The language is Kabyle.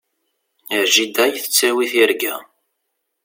Ar jida i yi-tettawi tirga.